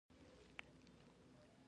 د لېفټ پر ځای په زېنو کې را کښته شوو.